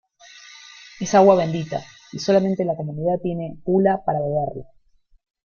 es agua bendita, y solamente la Comunidad tiene bula para beberla.